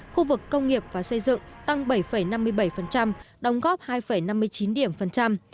khu vực công nghiệp và xây dựng tăng bảy năm mươi bảy đóng góp hai năm mươi chín điểm